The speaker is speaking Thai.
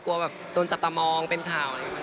กลัวต้นจับตามองเป็นข่าว